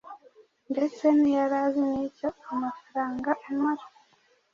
ndetse ntiyari azi nicyo amafaranga amara